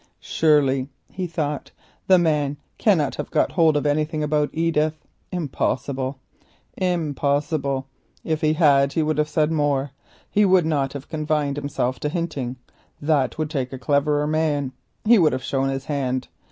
"Surely," he thought, "that man cannot have got hold of anything about Edith. Impossible, impossible; if he had he would have said more, he would not have confined himself to hinting, that would take a cleverer man, he would have shown his hand.